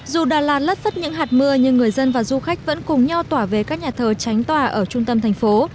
dù đà lạt lất phất những hạt mưa nhưng người dân và du khách vẫn cùng nhau tỏa về các nhà thờ tránh tòa ở trung tâm thành phố